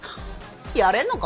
やれんのか？